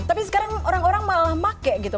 tapi sekarang orang orang malah pakai gitu